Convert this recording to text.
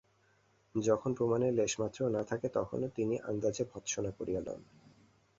যখন প্রমাণের লেশমাত্রও না থাকে তখনো তিনি আন্দাজে ভর্ৎসনা করিয়া লন।